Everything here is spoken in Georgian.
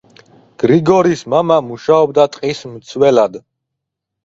გრიგორის მამა მუშაობდა ტყის მცველად.